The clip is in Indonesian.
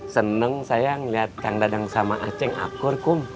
seneng sayang liat kang dadang sama aceng akur kum